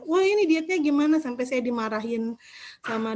wah ini dietnya gimana sampai saya dimarahin sama dia